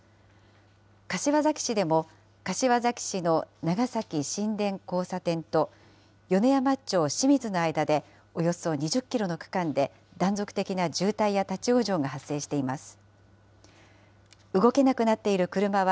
柏崎市でも柏崎市の長崎新田交差点と、米山町清水の間でおよそ２０キロの区間で、断続的な渋滞や立往生が発生しています。